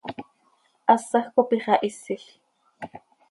Hasaj cop ixahisil.